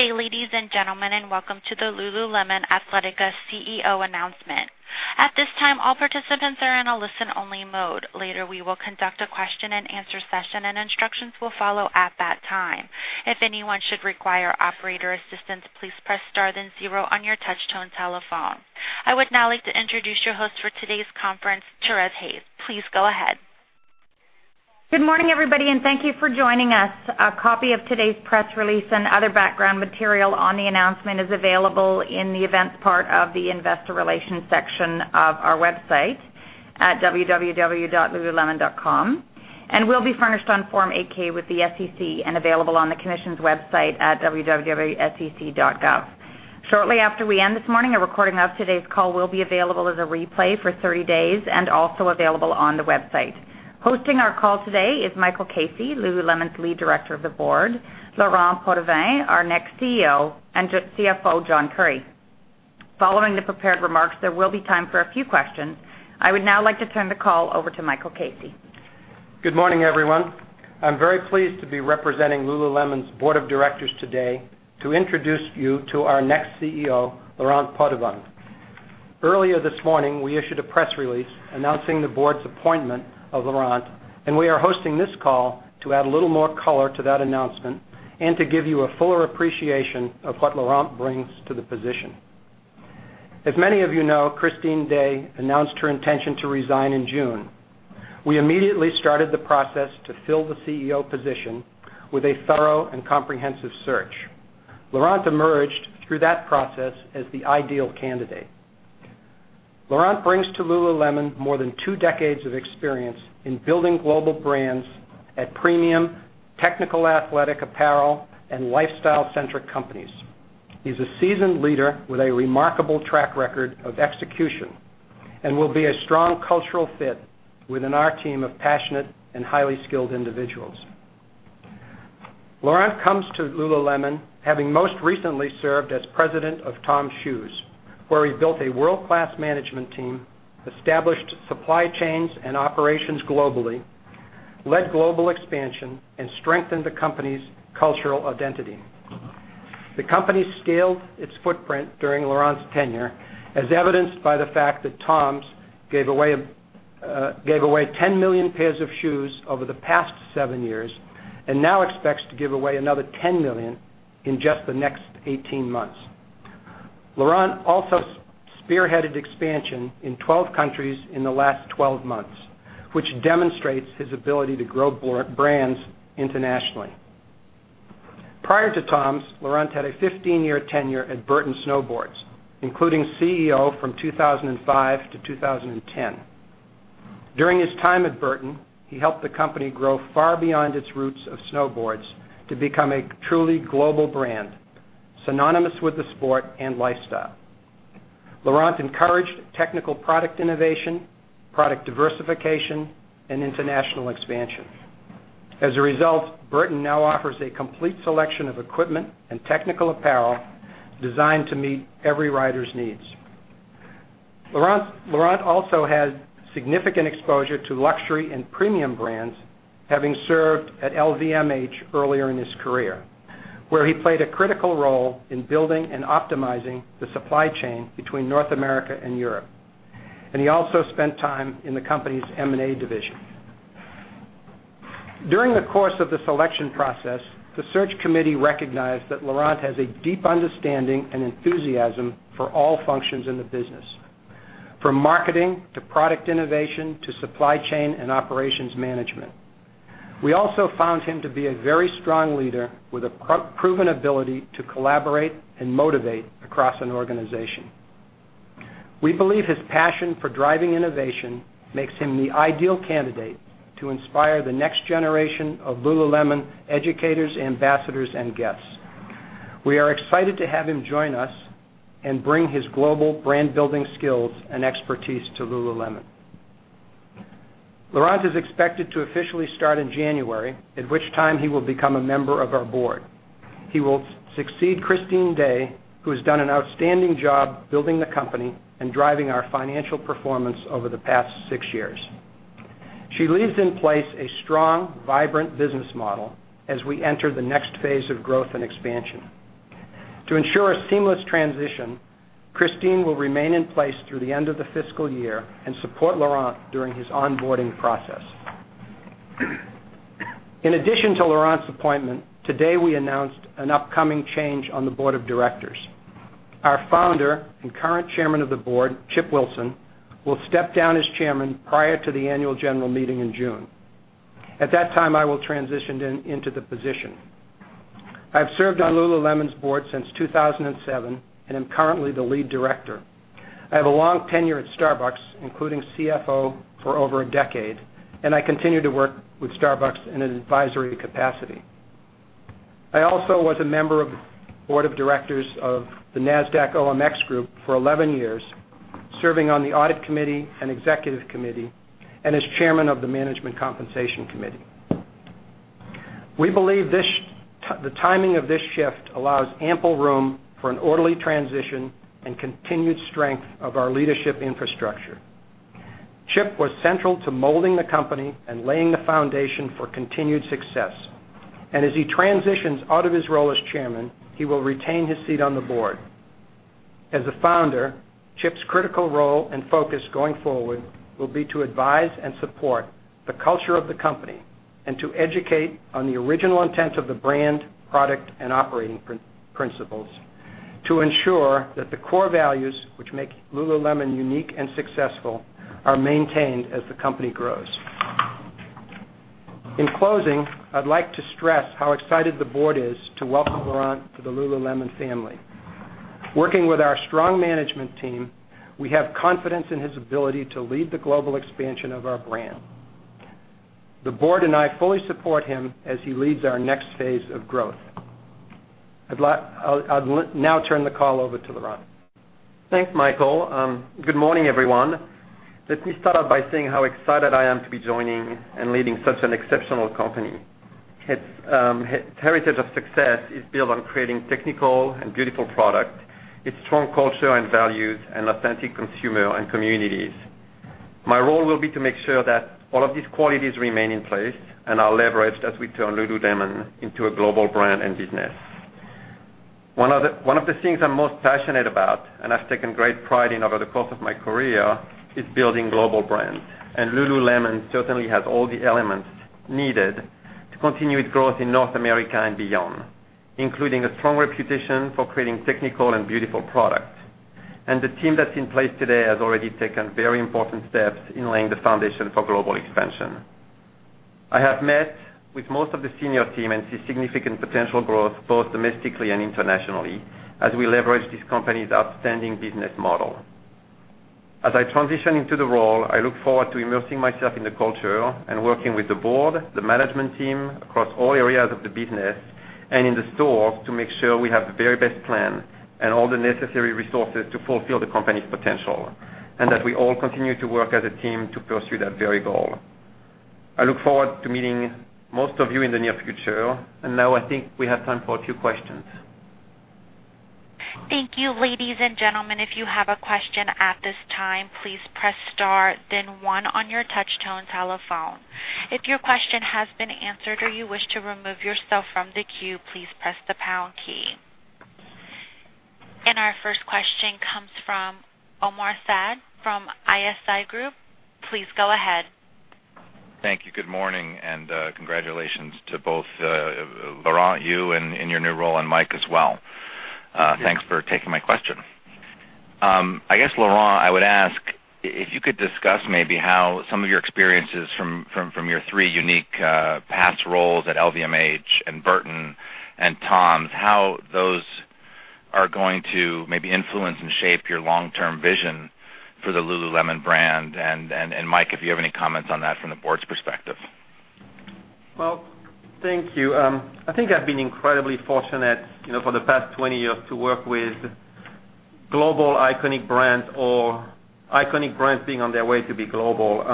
Good day, ladies and gentlemen, and welcome to the Lululemon Athletica CEO announcement. At this time, all participants are in a listen-only mode. Later, we will conduct a question and answer session, and instructions will follow at that time. If anyone should require operator assistance, please press star then zero on your touch-tone telephone. I would now like to introduce your host for today's conference, Therese Hayes. Please go ahead. Good morning, everybody, and thank you for joining us. A copy of today's press release and other background material on the announcement is available in the events part of the investor relations section of our website at www.lululemon.com and will be furnished on Form 8-K with the SEC and available on the commission's website at www.sec.gov. Shortly after we end this morning, a recording of today's call will be available as a replay for 30 days and also available on the website. Hosting our call today is Michael Casey, Lululemon's Lead Director of the Board, Laurent Potdevin, our next CEO, and CFO, John Currie. Following the prepared remarks, there will be time for a few questions. I would now like to turn the call over to Michael Casey. Good morning, everyone. I'm very pleased to be representing Lululemon's Board of Directors today to introduce you to our next CEO, Laurent Potdevin. Earlier this morning, we issued a press release announcing the board's appointment of Laurent, and we are hosting this call to add a little more color to that announcement and to give you a fuller appreciation of what Laurent brings to the position. As many of you know, Christine Day announced her intention to resign in June. We immediately started the process to fill the CEO position with a thorough and comprehensive search. Laurent emerged through that process as the ideal candidate. Laurent brings to Lululemon more than two decades of experience in building global brands at premium technical athletic apparel and lifestyle-centric companies. He's a seasoned leader with a remarkable track record of execution and will be a strong cultural fit within our team of passionate and highly skilled individuals. Laurent comes to Lululemon, having most recently served as president of TOMS Shoes, where he built a world-class management team, established supply chains and operations globally, led global expansion, and strengthened the company's cultural identity. The company scaled its footprint during Laurent's tenure, as evidenced by the fact that TOMS gave away 10 million pairs of shoes over the past seven years and now expects to give away another 10 million in just the next 18 months. Laurent also spearheaded expansion in 12 countries in the last 12 months, which demonstrates his ability to grow brands internationally. Prior to TOMS, Laurent had a 15-year tenure at Burton Snowboards, including CEO from 2005 to 2010. During his time at Burton, he helped the company grow far beyond its roots of snowboards to become a truly global brand synonymous with the sport and lifestyle. Laurent encouraged technical product innovation, product diversification, and international expansion. As a result, Burton now offers a complete selection of equipment and technical apparel designed to meet every rider's needs. Laurent also has significant exposure to luxury and premium brands, having served at LVMH earlier in his career, where he played a critical role in building and optimizing the supply chain between North America and Europe. He also spent time in the company's M&A division. During the course of the selection process, the search committee recognized that Laurent has a deep understanding and enthusiasm for all functions in the business, from marketing to product innovation, to supply chain and operations management. We also found him to be a very strong leader with a proven ability to collaborate and motivate across an organization. We believe his passion for driving innovation makes him the ideal candidate to inspire the next generation of Lululemon educators, ambassadors, and guests. We are excited to have him join us and bring his global brand-building skills and expertise to Lululemon. Laurent is expected to officially start in January, at which time he will become a member of our board. He will succeed Christine Day, who has done an outstanding job building the company and driving our financial performance over the past six years. She leaves in place a strong, vibrant business model as we enter the next phase of growth and expansion. To ensure a seamless transition, Christine will remain in place through the end of the fiscal year and support Laurent during his onboarding process. In addition to Laurent's appointment, today we announced an upcoming change on the board of directors. Our founder and current Chairman of the Board, Chip Wilson, will step down as Chairman prior to the annual general meeting in June. At that time, I will transition into the position. I've served on Lululemon's board since 2007 and am currently the Lead Director. I have a long tenure at Starbucks, including CFO for over a decade, and I continue to work with Starbucks in an advisory capacity. I also was a member of the board of directors of the Nasdaq OMX Group for 11 years, serving on the audit committee and executive committee, and as Chairman of the management compensation committee. We believe the timing of this shift allows ample room for an orderly transition and continued strength of our leadership infrastructure. Chip was central to molding the company and laying the foundation for continued success. As he transitions out of his role as chairman, he will retain his seat on the board. As a founder, Chip's critical role and focus going forward will be to advise and support the culture of the company, and to educate on the original intent of the brand, product, and operating principles to ensure that the core values which make Lululemon unique and successful are maintained as the company grows. In closing, I'd like to stress how excited the board is to welcome Laurent to the Lululemon family. Working with our strong management team, we have confidence in his ability to lead the global expansion of our brand. The board and I fully support him as he leads our next phase of growth. I'll now turn the call over to Laurent. Thanks, Michael. Good morning, everyone. Let me start off by saying how excited I am to be joining and leading such an exceptional company. Its heritage of success is built on creating technical and beautiful product, its strong culture and values, and authentic consumer and communities. My role will be to make sure that all of these qualities remain in place and are leveraged as we turn Lululemon into a global brand and business. One of the things I'm most passionate about, and I've taken great pride in over the course of my career, is building global brands. Lululemon certainly has all the elements needed to continue its growth in North America and beyond, including a strong reputation for creating technical and beautiful product. The team that's in place today has already taken very important steps in laying the foundation for global expansion. I have met with most of the senior team and see significant potential growth both domestically and internationally, as we leverage this company's outstanding business model. As I transition into the role, I look forward to immersing myself in the culture and working with the board, the management team across all areas of the business, and in the stores, to make sure we have the very best plan and all the necessary resources to fulfill the company's potential, and that we all continue to work as a team to pursue that very goal. I look forward to meeting most of you in the near future. Now I think we have time for a few questions. Thank you. Ladies and gentlemen, if you have a question at this time, please press star then one on your touch-tone telephone. If your question has been answered or you wish to remove yourself from the queue, please press the pound key. Our first question comes from Omar Saad from ISI Group. Please go ahead. Thank you. Good morning, congratulations to both Laurent, you in your new role, and Mike as well. Yeah. Thanks for taking my question. I guess, Laurent, I would ask if you could discuss maybe how some of your experiences from your three unique past roles at LVMH and Burton and TOMS, how those are going to maybe influence and shape your long-term vision for the Lululemon brand. Mike, if you have any comments on that from the board's perspective. Well, thank you. I think I've been incredibly fortunate for the past 20 years to work with global iconic brands or iconic brands being on their way to be global.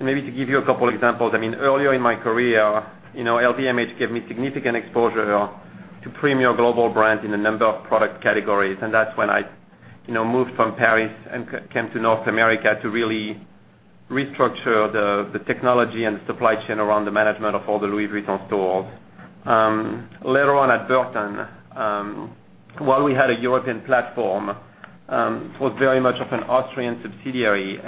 Maybe to give you a couple examples, earlier in my career, LVMH gave me significant exposure to premier global brands in a number of product categories. That's when I moved from Paris and came to North America to really restructure the technology and the supply chain around the management of all the Louis Vuitton stores. Later on at Burton, while we had a European platform, it was very much of an Austrian subsidiary.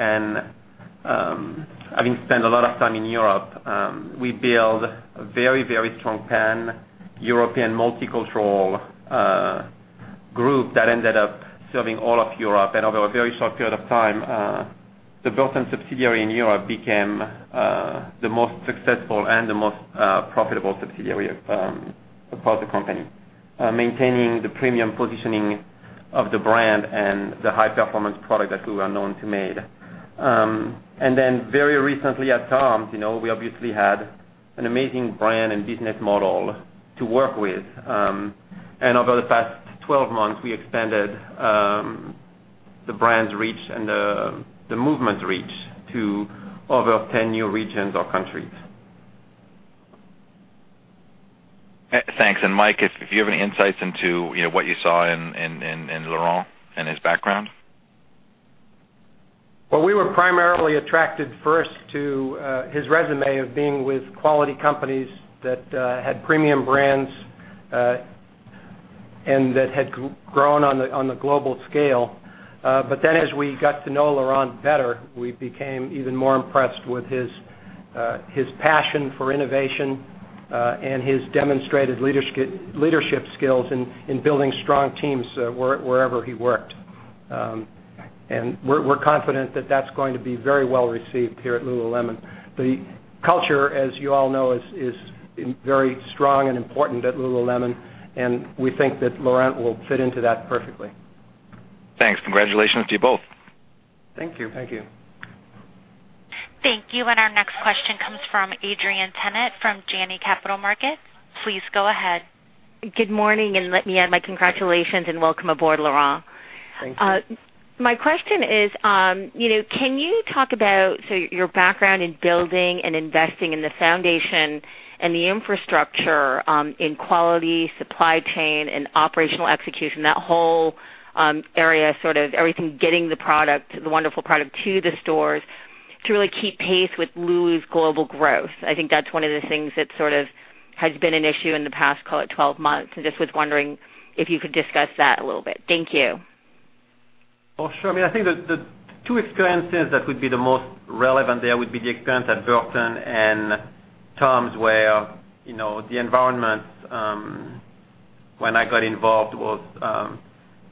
Having spent a lot of time in Europe, we built a very strong Pan-European multicultural group that ended up serving all of Europe. Over a very short period of time, the Burton subsidiary in Europe became the most successful and the most profitable subsidiary across the company, maintaining the premium positioning of the brand and the high-performance product that we were known to make. Very recently at Toms, we obviously had an amazing brand and business model to work with. Over the past 12 months, we expanded the brand's reach and the movement's reach to over 10 new regions or countries. Thanks. Mike, if you have any insights into what you saw in Laurent and his background? We were primarily attracted first to his resume of being with quality companies that had premium brands and that had grown on a global scale. As we got to know Laurent better, we became even more impressed with his passion for innovation, and his demonstrated leadership skills in building strong teams wherever he worked. We're confident that's going to be very well received here at Lululemon. The culture, as you all know, is very strong and important at Lululemon, and we think that Laurent will fit into that perfectly. Thanks. Congratulations to you both. Thank you. Thank you. Thank you. Our next question comes from Adrienne Tennant from Janney Montgomery Scott. Please go ahead. Good morning. Let me add my congratulations and welcome aboard, Laurent. Thank you. My question is, can you talk about your background in building and investing in the foundation and the infrastructure in quality, supply chain, and operational execution, that whole area, sort of everything, getting the wonderful product to the stores? To really keep pace with Lulu's global growth. I think that's one of the things that sort of has been an issue in the past, call it 12 months, and just was wondering if you could discuss that a little bit. Thank you. Oh, sure. I think the two experiences that would be the most relevant there would be the experience at Burton and TOMS where the environment, when I got involved, was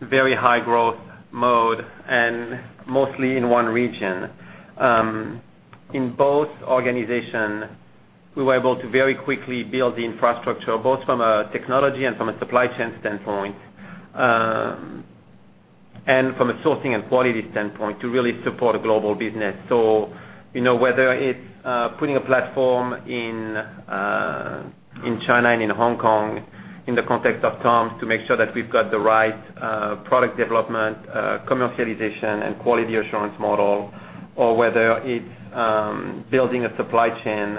very high growth mode and mostly in one region. In both organizations, we were able to very quickly build the infrastructure, both from a technology and from a supply chain standpoint, and from a sourcing and quality standpoint to really support a global business. Whether it's putting a platform in China and in Hong Kong in the context of TOMS to make sure that we've got the right product development, commercialization, and quality assurance model or whether it's building a supply chain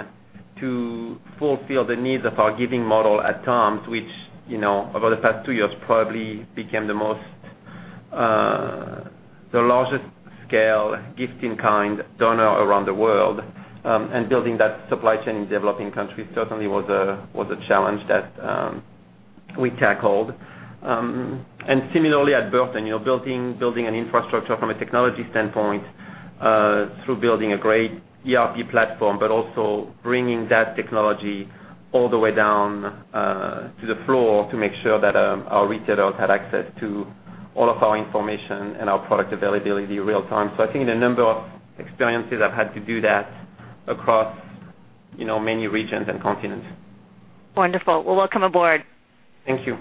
to fulfill the needs of our giving model at TOMS, which, over the past two years probably became the largest scale gift-in-kind donor around the world. Building that supply chain in developing countries certainly was a challenge that we tackled. Similarly at Burton, building an infrastructure from a technology standpoint through building a great ERP platform, but also bringing that technology all the way down to the floor to make sure that our retailers had access to all of our information and our product availability real-time. I think in a number of experiences, I've had to do that across many regions and continents. Wonderful. Well, welcome aboard. Thank you.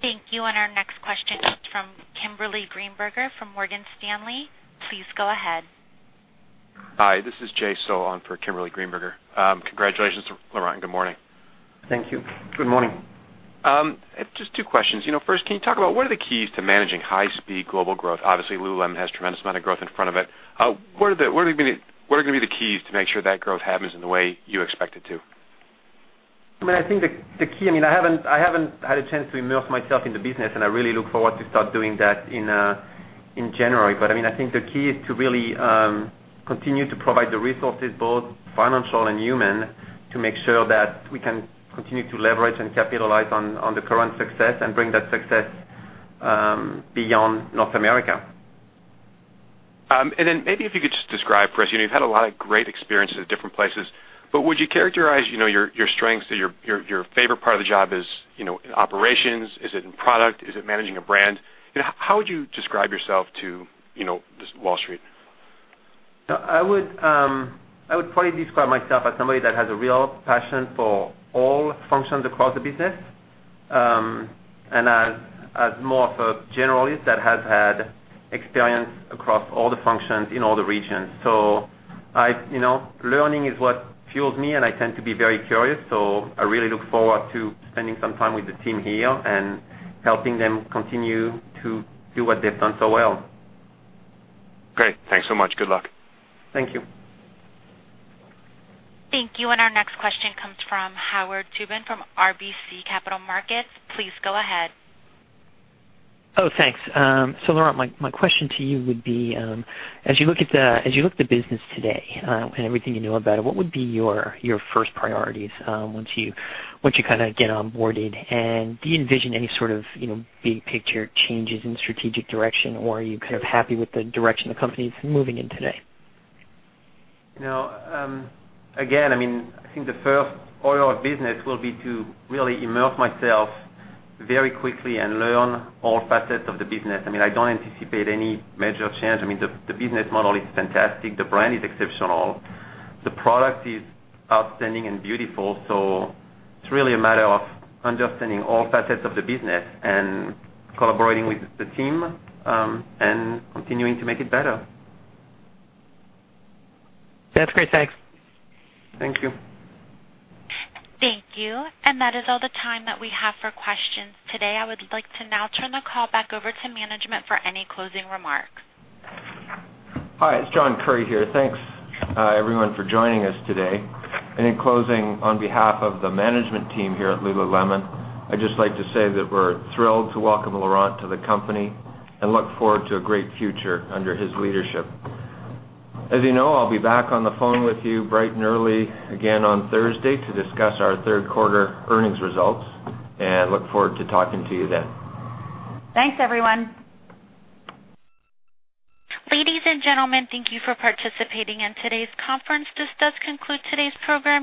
Thank you. Our next question comes from Kimberly Greenberger from Morgan Stanley. Please go ahead. Hi, this is Jay Sole for Kimberly Greenberger. Congratulations, Laurent. Good morning. Thank you. Good morning. Just two questions. First, can you talk about what are the keys to managing high-speed global growth? Obviously, Lululemon has a tremendous amount of growth in front of it. What are going to be the keys to make sure that growth happens in the way you expect it to? I think the key, I haven't had a chance to immerse myself in the business, I really look forward to start doing that in January. I think the key is to really continue to provide the resources, both financial and human, to make sure that we can continue to leverage and capitalize on the current success and bring that success beyond North America. Maybe if you could just describe for us, you've had a lot of great experiences at different places, but would you characterize your strengths or your favorite part of the job is in operations? Is it in product? Is it managing a brand? How would you describe yourself to just Wall Street? I would probably describe myself as somebody that has a real passion for all functions across the business. As more of a generalist that has had experience across all the functions in all the regions. Learning is what fuels me, and I tend to be very curious. I really look forward to spending some time with the team here and helping them continue to do what they've done so well. Great. Thanks so much. Good luck. Thank you. Thank you. Our next question comes from Howard Tubin from RBC Capital Markets. Please go ahead. Thanks. Laurent, my question to you would be, as you look at the business today and everything you know about it, what would be your first priorities once you kind of get onboarded? Do you envision any sort of big picture changes in strategic direction, or are you kind of happy with the direction the company's moving in today? Again, I think the first order of business will be to really immerse myself very quickly and learn all facets of the business. I don't anticipate any major change. The business model is fantastic. The brand is exceptional. The product is outstanding and beautiful. It's really a matter of understanding all facets of the business and collaborating with the team and continuing to make it better. That's great. Thanks. Thank you. Thank you. That is all the time that we have for questions today. I would like to now turn the call back over to management for any closing remarks. Hi, it's John Currie here. Thanks, everyone, for joining us today. In closing, on behalf of the management team here at Lululemon, I'd just like to say that we're thrilled to welcome Laurent to the company and look forward to a great future under his leadership. As you know, I'll be back on the phone with you bright and early again on Thursday to discuss our third quarter earnings results, and look forward to talking to you then. Thanks, everyone. Ladies and gentlemen, thank you for participating in today's conference. This does conclude today's program.